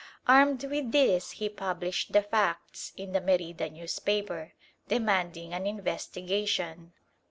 Armed with these he published the facts in the Merida newspaper, demanding an investigation.